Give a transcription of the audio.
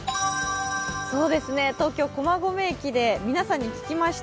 東京・駒込駅で皆さんに聞きました。